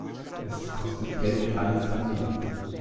Es kostet Geld wie alles andere.